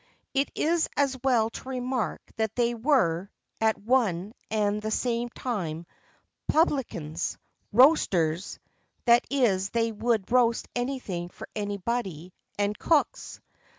It is as well to remark that they were, at one and the same time, publicans, roasters (that is, they would roast anything for anybody), and cooks.